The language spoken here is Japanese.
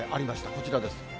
こちらです。